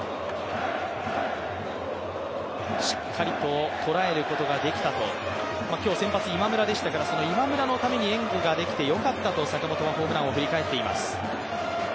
しっかりと捉えることができたと、今日は先発今村でしたから、今村のために援護ができてよかったと、坂本はホームランを振り返っています。